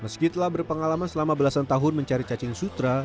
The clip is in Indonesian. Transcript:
meski telah berpengalaman selama belasan tahun mencari cacing sutra